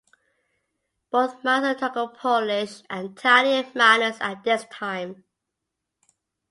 Both mines took on Polish and Italian miners at this time.